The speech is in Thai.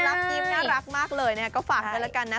รับยิ้มน่ารักมากเลยนะครับก็ฝากกันแล้วกันนะ